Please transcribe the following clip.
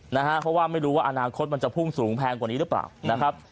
นะฮะเพราะว่าไม่รู้ว่าอนาคตมันจะพุ่งสูงแพงกว่านี้หรือเปล่านะครับ